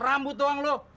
rambut doang lo